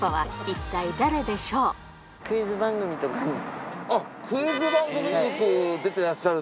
クイズ番組とかに。